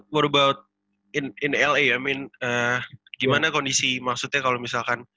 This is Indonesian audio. what about in la i mean gimana kondisi maksudnya kalau misalkan